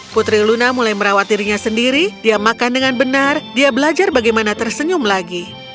putri luna mulai merawat dirinya sendiri dia makan dengan benar dia belajar bagaimana tersenyum lagi